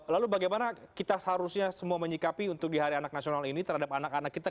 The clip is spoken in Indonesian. lalu bagaimana kita seharusnya semua menyikapi untuk di hari anak nasional ini terhadap anak anak kita